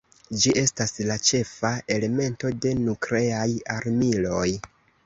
Ĝi estas la ĉefa elemento de nukleaj armiloj.